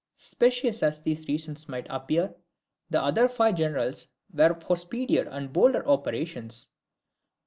Specious as these reasons might appear, the other five generals were for speedier and bolder operations.